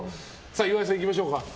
岩井さん、いきましょうか。